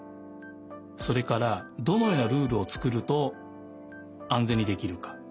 それからどのようなルールをつくるとあんぜんにできるか。